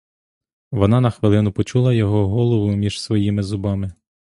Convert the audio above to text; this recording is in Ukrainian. Вона на хвилину почула його голову між своїми зубами.